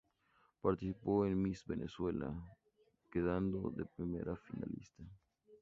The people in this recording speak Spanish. Participó en el Miss Venezuela, quedando de primera finalista.